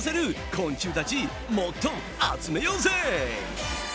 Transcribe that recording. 昆虫たちもっと集めようぜ！